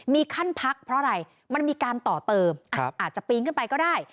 มีขั้นพักเพราะอะไรมันมีการต่อเติมอาจจะปีนขึ้นไปก็ได้